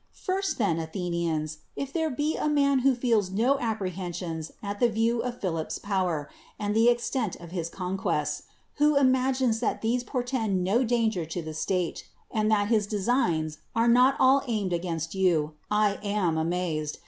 First, then, Athenians, if there be a man who feels no a})i»rehensions at the view of Philip's power, and the extent of his concjuests, who imagines that these portend no danger to the state, or that his designs are not all aimed 111 THE WORLD'S FAMOUS ORATIONS against you, I am amazed